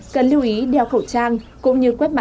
cần lưu ý đeo khẩu trang cũng như quét mã